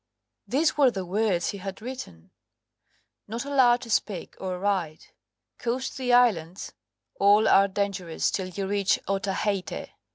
These were the words he had written: "Not allowed to speak or write. Coast the islands, all are dangerous till you reach Otaheite.